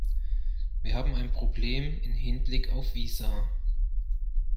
Wir haben ein Problem im Hinblick auf Visa.